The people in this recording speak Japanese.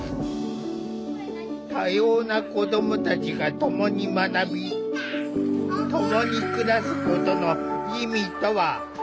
多様な子どもたちがともに学びともに暮らすことの意味とは？